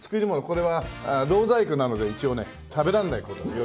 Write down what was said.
これはろう細工なので一応ね食べられない事の予定に。